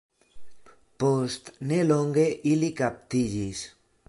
Post nelonge ili kaptiĝis.